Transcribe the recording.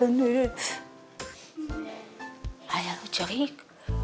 ayah lu jerik